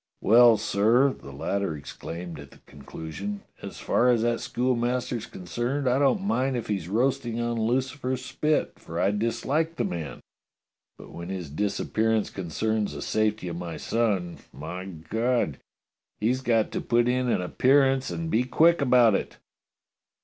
"Well, sir," the latter exclaimed at the conclusion, as far as that schoolmaster's concerned, I don't mind if he's roasting on Lucifer's spit, for I dislike the man, but when his disappearance concerns the safety of my son, my God! he's got to put in an appearance and be quick about it.